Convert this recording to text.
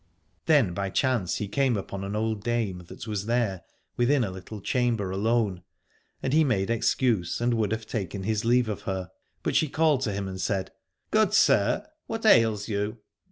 Then by chance he came upon an old dame, that was there within a little chamber alone: and he made excuse and would have taken his leave of her. But she called to him and said. Good Sir, what ails you